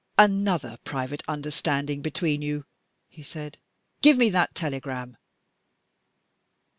"Another private understanding between you!" he said. "Give me that telegram."